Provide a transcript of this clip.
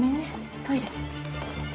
トイレ。